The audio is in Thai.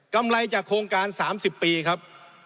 กำไรจากโครงการ๓๐ปีครับ